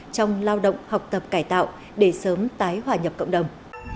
trong lao động học tập cải tạo để sớm tái hòa nhập cộng đồng